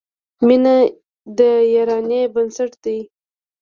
• مینه د یارانې بنسټ دی.